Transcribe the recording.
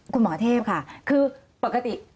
คุณหมอเทพค่ะคือปกติ